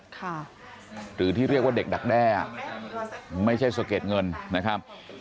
หรือที่เรียกว่าเด็กดักแด้อ่ะไม่ใช่สะเก็ดเงินนะครับ